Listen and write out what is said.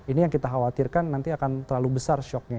ini yang kita khawatirkan nanti akan terlalu besar shocknya